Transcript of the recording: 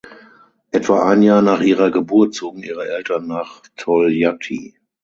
Etwa ein Jahr nach ihrer Geburt zogen ihre Eltern nach Toljatti.